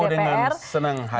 saya menunggu dengan senang hati